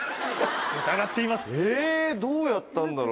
疑っています。